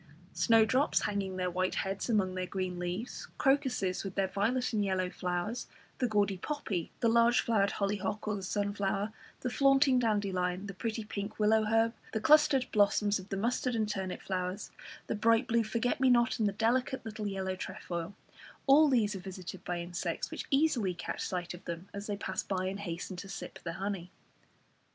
Snowdrops hanging their white heads among their green leaves, crocuses with their violet and yellow flowers, the gaudy poppy, the large flowered hollyhock or the sunflower, the flaunting dandelion, the pretty pink willow herb, the clustered blossoms of the mustard and turnip flowers, the bright blue forget me not and the delicate little yellow trefoil, all these are visited by insects, which easily catch sight of them as they pass by and hasten to sip their honey.